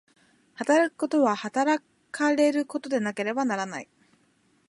働くことは働かれることでなければならない。